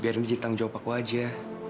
biarin dia ceritain tanggung jawab aku aja